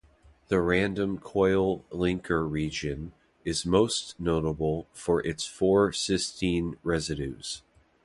The random coil linker region is most notable for its four cysteine residues.